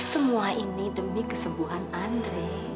semua ini demi kesembuhan andre